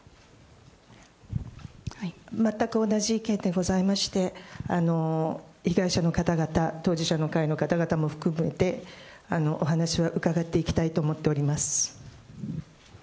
全く同じ意見でございまして、被害者の方々、当事者の会の方々も含めて、お話は伺っていきたいと思っております。